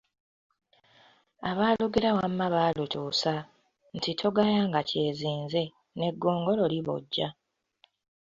Abaalugera wamma baalutuusa, nti togayanga kyezinze, n'eggongolo libojja.